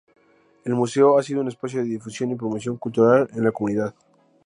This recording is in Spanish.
El Museo ha sido un espacio de difusión y promoción cultural en la comunidad.